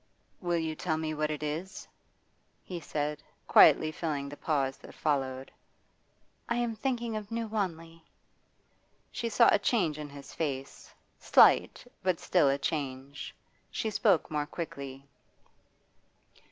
'Will you tell me what it is?' he said, quietly filling the pause that followed. 'I am thinking of New Wanley.' She saw a change in his face, slight, but still a change. She spoke more quickly.